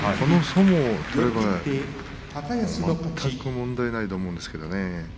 全く問題ないと思うんですがね。